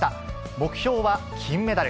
目標は金メダル。